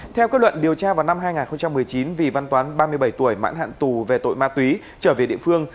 theo quyết luận điều tra vào năm hai nghìn một mươi chín vì văn toán ba mươi bảy tuổi mãn hạn tù về tội ma túy trở về địa phương